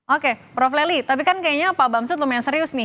oke prof leli tapi kan kayaknya pak bamsud lumayan serius nih